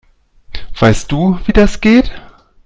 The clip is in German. Weißt du, wie das geht?